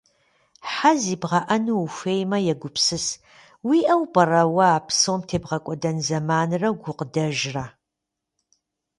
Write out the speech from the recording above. Хьэ зибгъэӏэну ухуеймэ, егупсыс, уиӏэу пӏэрэ уэ а псом тебгъэкӏуэдэн зэманрэ гукъыдэжрэ.